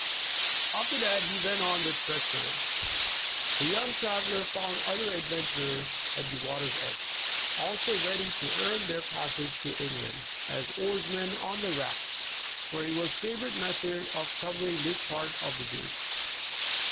'' After that he went on with fresh courage. The young traveler found other adventurers at the vvater's edge, also ready to earn their passage to Eng land, as oarsmen on the rafts, for it was a favorite method of covering this part of the journey.